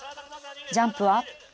ジャンプは。